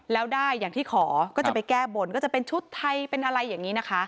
แล้วได้อย่างที่ขอก็จะไปแก้บนก็จะเป็นชุดไทยเป็นอะไรอย่างนี้นะคะ